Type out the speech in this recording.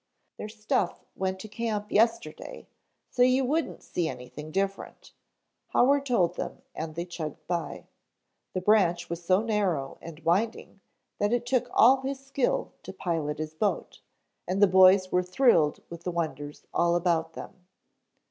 "Their stuff went to camp yesterday, so you wouldn't see anything different," Howard told them and they chugged by. The branch was so narrow and winding that it took all his skill to pilot his boat, and the boys were thrilled with the wonders all about them.